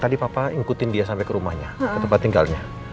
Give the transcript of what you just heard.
tadi papa ikutin dia sampai ke rumahnya ke tempat tinggalnya